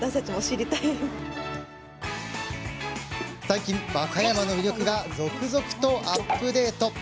最近、和歌山の魅力が続々とアップデート。